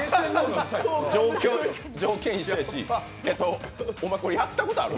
条件一緒やし、お前、これやったことある？